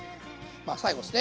最後ですね